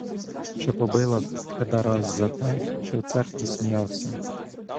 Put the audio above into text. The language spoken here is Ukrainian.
Що побила тебе раз за те, що в церкві сміявся.